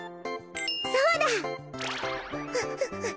そうだ！